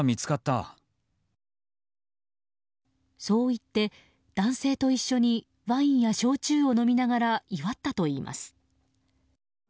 そう言って、男性と一緒にワインや焼酎を飲みながら祝ったといいます。